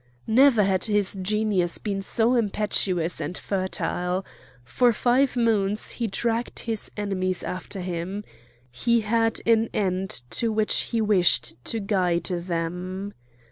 Never had his genius been so impetuous and fertile. For five moons he dragged his enemies after him. He had an end to which he wished to guide them.